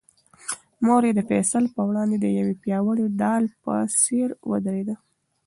مور یې د فیصل په وړاندې د یوې پیاوړې ډال په څېر ودرېده.